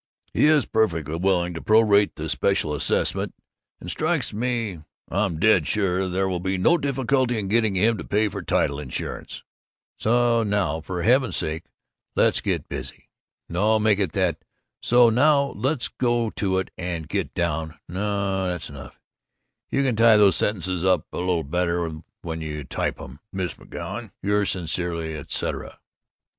"He is perfectly willing to pro rate the special assessment and strikes me, am dead sure there will be no difficulty in getting him to pay for title insurance, so now for heaven's sake let's get busy no, make that: so now let's go to it and get down no, that's enough you can tie those sentences up a little better when you type 'em, Miss McGoun your sincerely, etcetera."